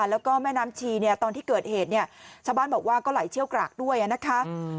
แล้วก็แม่น้ำชีเนี่ยตอนที่เกิดเหตุเนี่ยชาวบ้านบอกว่าก็ไหลเชี่ยวกรากด้วยนะคะ